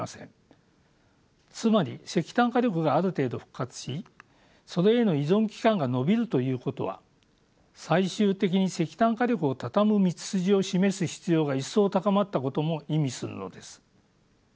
つまり石炭火力がある程度復活しそれへの依存期間が延びるということは最終的に石炭火力を畳む道筋を示す必要が一層高まったことも意味するのです。